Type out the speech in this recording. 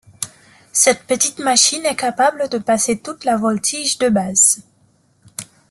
Cette petite machine est capable de passer toute la voltige de base.